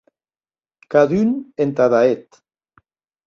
Cadun entada eth.